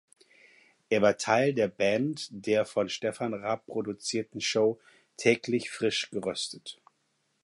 Er war Teil der Band der von Stefan Raab produzierten Show "Täglich frisch geröstet".